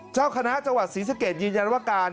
เจ้าคณะจังหวัดศรีสะเกดยืนยันว่าการ